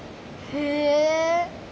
へえ。